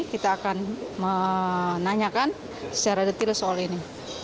kita akan menanyakan secara detail soal ini